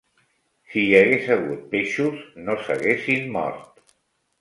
Si hi hagués hagut peixos no s'haguessin mort